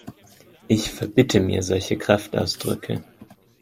Ich verbitte mir solche Kraftausdrücke!